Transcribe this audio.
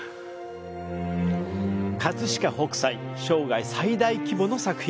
葛飾北斎、生涯最大規模の作品。